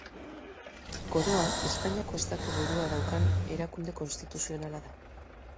Koroa Espainiako estatu burua daukan erakunde konstituzionala da.